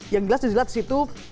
yang jelas di jelatis itu